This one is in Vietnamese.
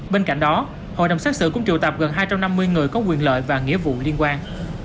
bên cạnh đó hội đồng xét xử cũng triệu tập gần hai trăm năm mươi người có quyền lợi và nghĩa vụ liên quan